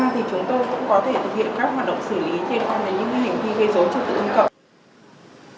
ngoài ra thì chúng tôi cũng có thể thực hiện các hoạt động xử lý liên quan đến những hành vi gây rối trực tự ứng cậu